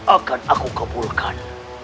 akan aku kabulkan